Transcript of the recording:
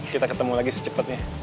kita ketemu lagi secepatnya